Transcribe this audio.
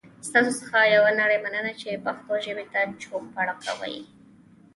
ستاسو څخه یوه نړۍ مننه چې پښتو ژبې ته چوپړ کوئ.